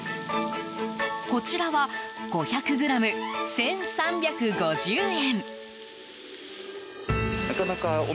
こちらは５００ｇ、１３５０円。